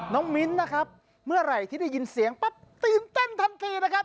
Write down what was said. มิ้นนะครับเมื่อไหร่ที่ได้ยินเสียงปั๊บตื่นเต้นทันทีนะครับ